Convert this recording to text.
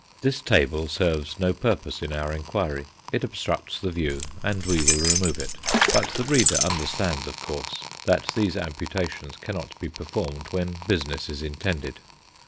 This table serves no purpose in our inquiry; it obstructs the view, and we will remove it; but the reader understands, of course, that these amputations cannot be performed when business is intended.